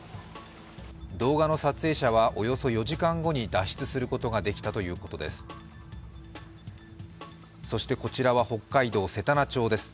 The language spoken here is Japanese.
動画の撮影者はおよそ４時間後に脱出することができたということです。